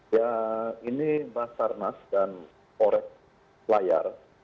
ya ini basar mas dan orek layar